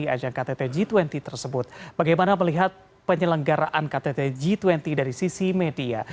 apakah itu bisa dilakukan segera